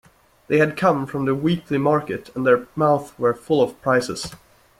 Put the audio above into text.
They had come from the weekly market, and their mouths were full of prices.